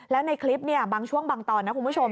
แล้วในคลิปบางช่วงบางตอนนะคุณผู้ชม